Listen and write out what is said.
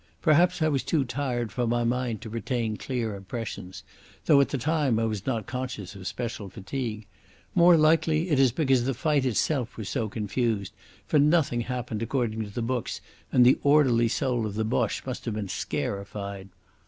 Perhaps I was too tired for my mind to retain clear impressions, though at the time I was not conscious of special fatigue. More likely it is because the fight itself was so confused, for nothing happened according to the books and the orderly soul of the Boche must have been scarified....